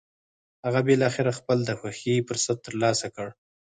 هغه بالاخره خپل د خوښې فرصت تر لاسه کړ.